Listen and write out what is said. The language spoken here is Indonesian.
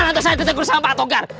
gimana nanti saya keteguran sama pak togar